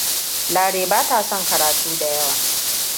Lare ba ta son karatu da yawa.